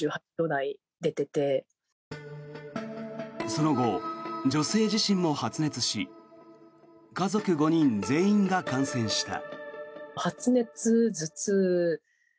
その後、女性自身も発熱し家族５人全員が感染した。